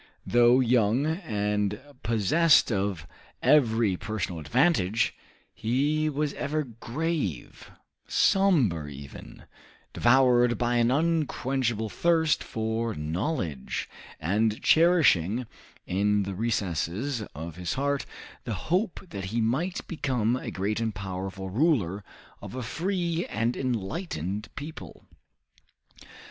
Though young and possessed of every personal advantage, he was ever grave somber even devoured by an unquenchable thirst for knowledge, and cherishing in the recesses of his heart the hope that he might become a great and powerful ruler of a free and enlightened people.